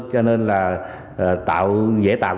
cho nên là dễ tạo